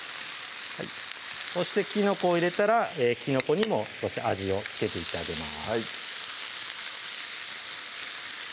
そしてきのこを入れたらきのこにも味を付けていってあげます